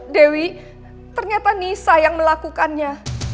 dewi ternyata nisa yang melakukannya